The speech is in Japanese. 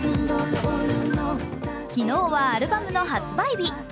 昨日はアルバムの発売日。